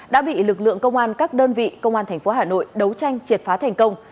đã bị lực lượng công an các đơn vị công an tp hà nội đấu tranh triệt phá thành công